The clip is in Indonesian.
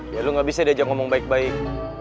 ya lu gak bisa diajak ngomong baik baik